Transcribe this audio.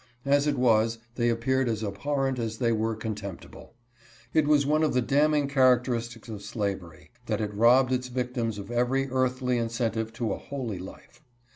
As it was, they appeared as abhorrent as they were contempti ble. It was one of the damning characteristics of slavery that it robbed its victims of every earthly incentive to a holy life.